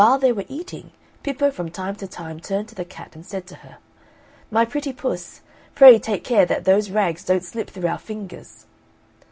While they were eating, Pippo from time to time turned to the cat and said to her, "My pretty puss, pray take care that those rags don't slip through our fingers."